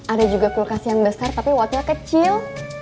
ada juga kulkas yang besar tapi waktunya kecil